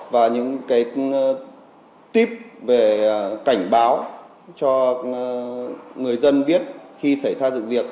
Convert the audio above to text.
và những cái tip về cảnh báo cho người dân biết khi xảy ra dựng việc